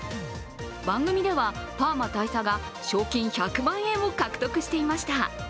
番組ではパーマ大佐が賞金１００万円を獲得していました。